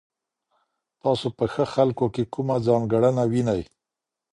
تاسو په ښه خلکو کي کومه ځانګړنه وینئ؟